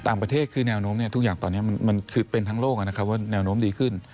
ต่างประเทศคือแนวโน้มเนี่ยทุกอย่างตอนนี้คือเป็นทั้งโลกละแนวโน้มดีขึ้น